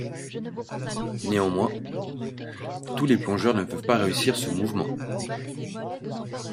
Néanmoins, tous les plongeurs ne peuvent pas réussir ce mouvement.